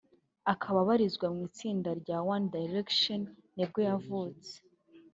akaba abarizwa mu itsinda rya One Direction nibwo yavutse